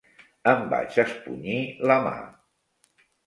Em vaig espunyir la mà.